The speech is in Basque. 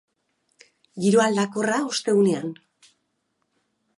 Giro aldakorra, ostegunean.